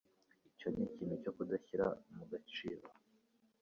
Icyo ni ikintu cyo kudashyira mu gaciro.